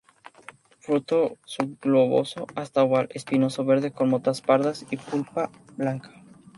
Fruto subgloboso hasta oval, espinoso, verde, con motas pardas y pulpa blanca.